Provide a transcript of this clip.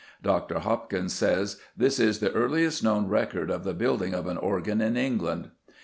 Dr. Hopkins says, "This is the earliest known record of the building of an organ in England."